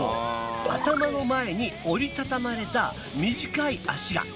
頭の前に折り畳まれた短い脚が。